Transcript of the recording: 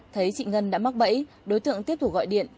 thấy chị ngân đã mắc bẫy đối tượng tiếp thủ gọi điện